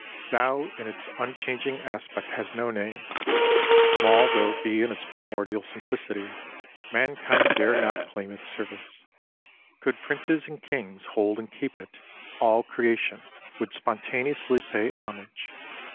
Tao in its unchanging aspect has no name. Small though it be in its primordial simplicity, mankind dare not claim its service. Could princes and kings hold and keep it, all creation would spontaneously pay homage.